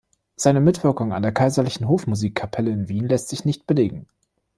Seine Mitwirkung in der kaiserlichen Hofmusikkapelle in Wien lässt sich nicht belegen.